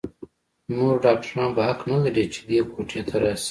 نور ډاکتران به حق نه لري چې دې کوټې ته راشي.